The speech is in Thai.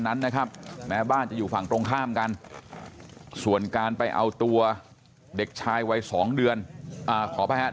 นั้นนะครับแม้บ้านจะอยู่ฝั่งตรงข้ามกันส่วนการไปเอาตัวเด็กชายวัย๒เดือนขออภัยครับ